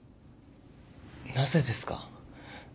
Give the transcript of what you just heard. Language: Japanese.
なぜですか？